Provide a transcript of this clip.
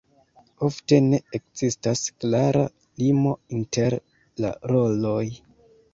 Ofte ne ekzistas klara limo inter la roloj.